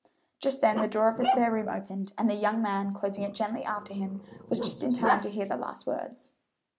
Just then the door of the spare room opened, and the young man, closing it gently after him, was just in time to hear the last words.